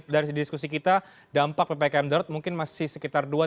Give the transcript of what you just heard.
di diskusi kita dampak ppkm derd mungkin masih sekitar